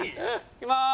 いきまーす。